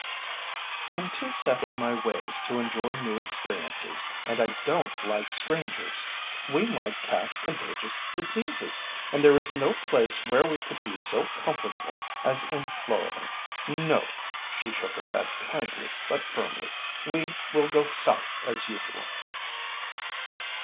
"I'm too set in my ways to enjoy new experiences, and I don't like strangers. We might catch contagious diseases, and there is no place where we could be so comfortable as in Florida. No," she shook her head kindly but firmly, "we will go South as usual."